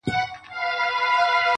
نیمه پېړۍ و جنکيدلم پاچا,